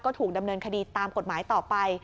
โอ้โห